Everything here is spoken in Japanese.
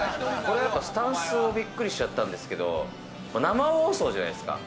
スタンスにびっくりしちゃったんですけれども、生放送じゃないですか。